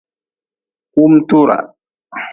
Kumtuuraa.